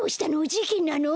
じけんなの？